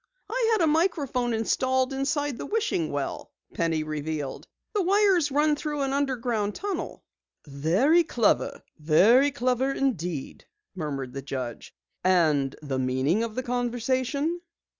"I had a microphone installed inside the wishing well," Penny revealed. "The wires run through an underground tunnel." "Very clever, very clever indeed," murmured the judge. "And the meaning of the conversation?"